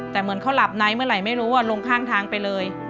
แต่เหมือนเขาหลับในเมื่อไหร่ไม่รู้ว่าลงข้างทางไปเลย